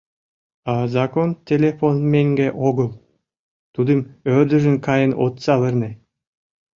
А закон телефон меҥге огыл, тудым ӧрдыжын каен от савырне.